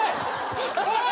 おい！